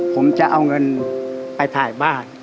ผมจะเอาเงินไปถ่ายบ้าน